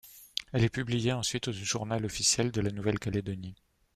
Elle est publiée ensuite au Journal officiel de la Nouvelle-Calédonie.